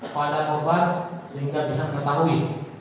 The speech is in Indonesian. sehingga bisa mengetahui